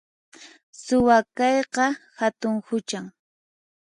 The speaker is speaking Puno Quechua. Suwa kayqa hatun huchan